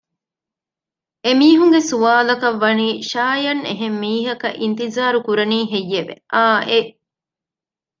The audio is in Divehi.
އެމީހުންގެ ސުވާލަކަށް ވަނީ ޝާޔަން އެހެން މީހަކަށް އިންތިޒާރު ކުރަނީ ހެއްޔެވެ؟ އާއެއް